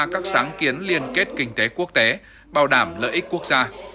các sáng kiến liên kết kinh tế quốc tế bảo đảm lợi ích quốc gia